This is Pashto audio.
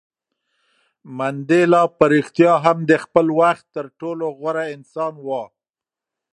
منډېلا په رښتیا هم د خپل وخت تر ټولو غوره انسان و.